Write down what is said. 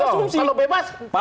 kalau bebas diam